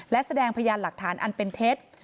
และแสดงพยานหลักฐานอันเป็นเท็จ